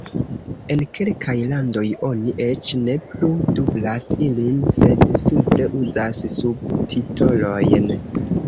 En kelkaj landoj oni eĉ ne plu dublas ilin, sed simple uzas subtitolojn.